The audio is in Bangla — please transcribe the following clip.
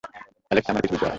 অ্যালেক্স, আমার পিছু পিছু আয়!